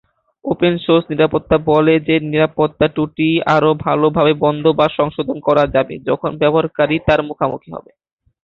Open source নিরাপত্তা বলে যে, নিরাপত্তা ত্রুটি আরও ভালোভাবে বন্ধ বা সংশোধন করা যাবে, যখন ব্যবহারকারী তার মুখোমুখি হবে।